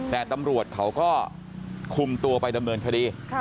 แต่ตำรวจเขาก็คุมตัวไปดำเนินคดี